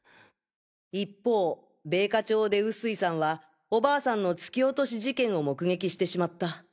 一方米花町で臼井さんはお婆さんの突き落とし事件を目撃してしまった。